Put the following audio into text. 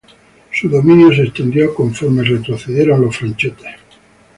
Su dominio se extendió conforme retrocedieron los franceses.